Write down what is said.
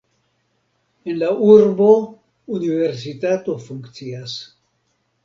En la urbo universitato funkcias.